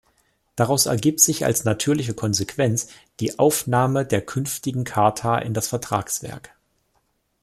Daraus ergibt sich als natürliche Konsequenz die Aufnahme der künftigen Charta in das Vertragswerk.